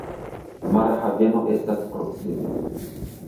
Mara haveno estas proksime.